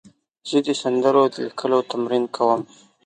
زه د سندرو د لیکلو تمرین کوم.